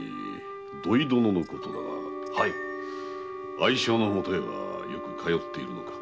愛妾のもとへはよく通っているのか？